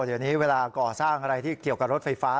เดี๋ยวนี้เวลาก่อสร้างอะไรที่เกี่ยวกับรถไฟฟ้า